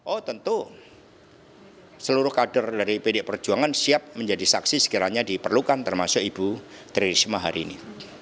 oh tentu seluruh kader dari pd perjuangan siap menjadi saksi sekiranya diperlukan termasuk ibu tririsma hari ini